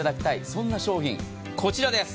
そんな商品、こちらです。